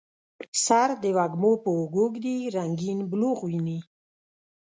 سر د وږمو په اوږو ږدي رنګیین بلوغ ویني